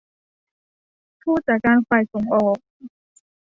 ผู้จัดการฝ่ายส่งออก